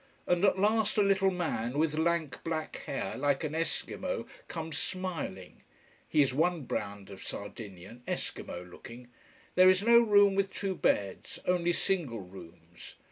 And at last a little man with lank, black hair, like an esquimo, comes smiling. He is one brand of Sardinian esquimo looking. There is no room with two beds: only single rooms.